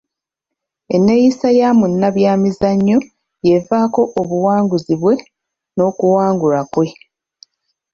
Enneeyisa ya munnabyamizannyo y'evaako obuwanguzi bwe n'okuwangulwa kwe.